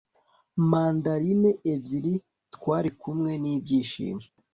mandarine ebyiri - twarikumwe n'ibyishimo